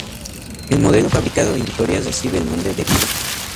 El modelo fabricado en Vitoria recibe el nombre de Vito.